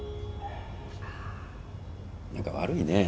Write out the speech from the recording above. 何か悪いね。